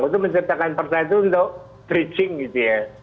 itu menciptakan pertalek itu untuk bridging gitu ya